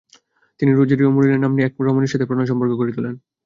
তিনি Rosario Murillo নাম্নী এক রমণীর সাথে প্রণয় সম্পর্ক গড়ে তোলেন।